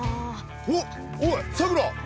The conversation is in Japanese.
おっおいさくら